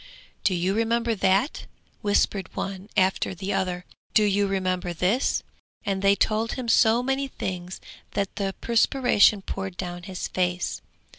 'Do you remember that?' whispered one after the other; 'Do you remember this?' and they told him so many things that the perspiration poured down his face.